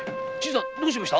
どうしました？